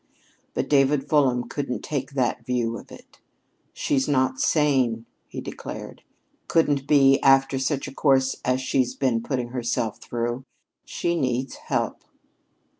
But David Fulham couldn't take that view of it. "She's not sane," he declared. "Couldn't be after such a course as she's been putting herself through. She needs help."